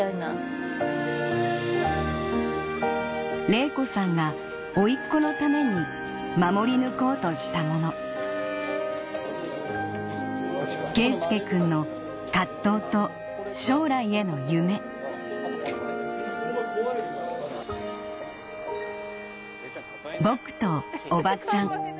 玲子さんが甥っ子のために守り抜こうとしたもの佳祐くんの藤と将来への夢ボクとおばちゃん